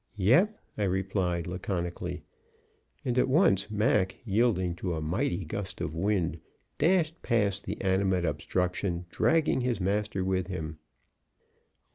"Yep," I replied laconically. And at once Mac, yielding to a mighty gust of wind, dashed past the animate obstruction, dragging his master with him.